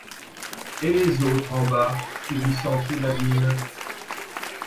Et les autres en bas, subissant tout l'abîme ?